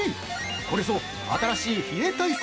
「これぞ、新しい冷え対策！